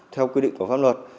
theo quy định của pháp luật